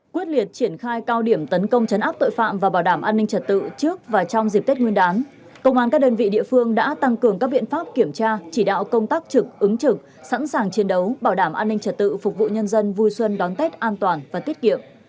quyết liệt triển khai cao điểm tấn công chấn áp tội phạm và bảo đảm an ninh trật tự trước và trong dịp tết nguyên đán công an các đơn vị địa phương đã tăng cường các biện pháp kiểm tra chỉ đạo công tác trực ứng trực sẵn sàng chiến đấu bảo đảm an ninh trật tự phục vụ nhân dân vui xuân đón tết an toàn và tiết kiệm